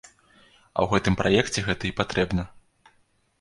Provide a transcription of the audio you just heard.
А ў гэтым праекце гэта і патрэбна.